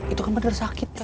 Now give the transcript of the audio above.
itu kan bener sakit